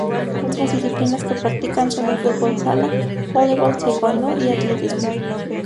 Otras disciplinas que practican son el fútbol sala, voleibol, taekwondo y atletismo.